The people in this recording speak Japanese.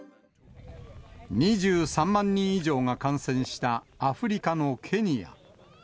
２３万人以上が感染したアフリカのケニア。